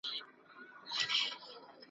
ستا د وعدې په توره شپه کي مرمه !.